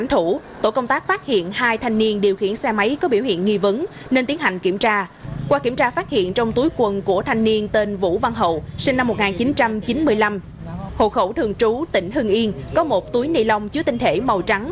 hội khẩu thượng trú tỉnh hưng yên có một túi nilon chứa tinh thể màu trắng